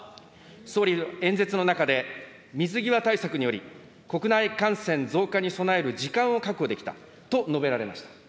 総理、演説の中で、水際対策により、国内感染増加に備える時間を確保できたと述べられました。